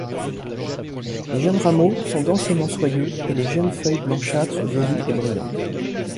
Les jeunes rameaux sont densément soyeux et les jeunes feuilles blanchâtres, velues et brillantes.